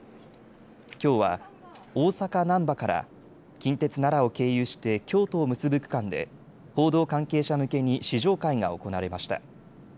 きょうは、大阪難波から近鉄奈良を経由して京都を結ぶ区間で報道関係者向けに試乗会が行われました。